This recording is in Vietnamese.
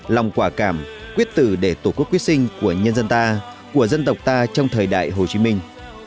lòng quả cảm quyết tử để tổ quốc quyết sinh của nhân dân ta của dân tộc ta trong thời đại hồ chí minh